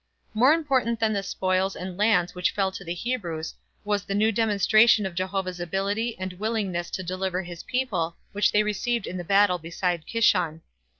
More important than the spoils and lands which fell to the Hebrews was the new demonstration of Jehovah's ability and willingness to deliver his people which they received in the battle beside Kishon.